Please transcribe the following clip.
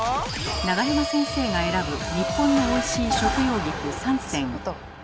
永山先生が選ぶ日本のおいしい食用菊３選。